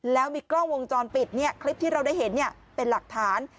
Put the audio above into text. แล้วมีกล้องวงจรปิดคลิปที่เราได้เห็นเป็นหลักฐาน